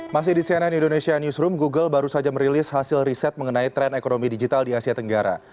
masih di cnn indonesia newsroom google baru saja merilis hasil riset mengenai tren ekonomi digital di asia tenggara